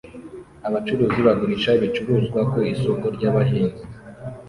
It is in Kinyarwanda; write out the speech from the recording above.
Abacuruzi bagurisha ibicuruzwa ku isoko ryabahinzi